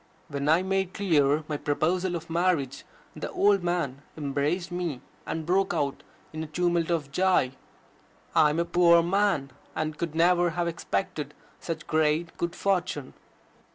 When I made clear my proposal of marriage, the old man embraced me, and broke out in a tumult of joy: "I am a poor man, and could never have expected such great good fortune."